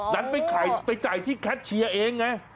ดันไปจ่ายที่แคทเชียร์เองไง